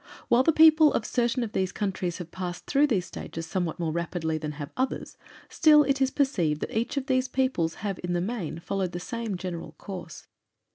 While the peoples of certain of these countries have passed through these stages somewhat more rapidly than have others, still it is perceived that each of these peoples have in the main followed the same general course.